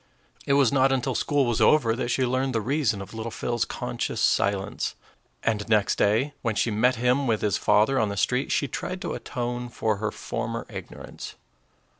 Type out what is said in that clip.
It was not until school was over that she learned the reason of little Phil's conscious silence; and next day, when she met him with his father on the street, she tried to atone for her former ignorance.